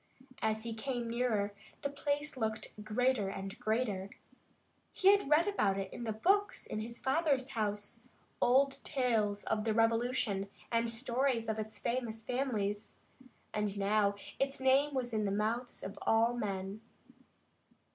As he came nearer, the place looked greater and greater. He had read much about it in the books in his father's house old tales of the Revolution and stories of its famous families and now its name was in the mouths of all men.